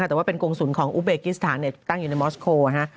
แต่ว่าเป็นกงศูนย์ของอุเบกิสถานตั้งอยู่ในมอสโคล